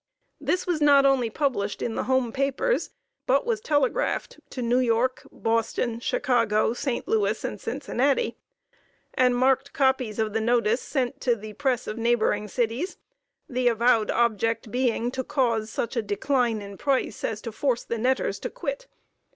This was not only published in the home papers, but was telegraphed to New York, Boston, Chicago, St. Louis and Cincinnati, and marked copies of the notice sent to the press of neighboring cities, the avowed object being to cause such a decline in price as to force the netters to quit.